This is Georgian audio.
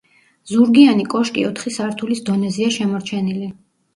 ზურგიანი კოშკი ოთხი სართულის დონეზეა შემორჩენილი.